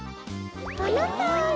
このとおり。